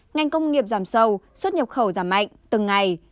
ngành công nghiệp giảm sâu xuất nhập khẩu giảm mạnh từng ngày